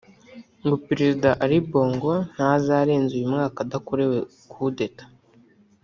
ngo Perezida Ali Bongo ntazarenza uyu mwaka adakorewe Coup d’Etat